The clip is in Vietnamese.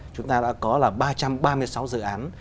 chúng ta đã có là ba trăm ba mươi sáu dự án